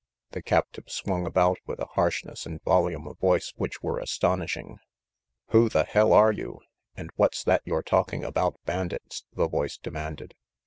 The captive swung about with a harshness and volume of voice which were astonishing. "Who the hell are you? And what's that you're talking about bandits?" the voice demanded.